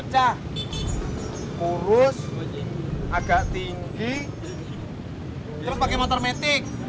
segocah kurus agak tinggi terus pakai motor metik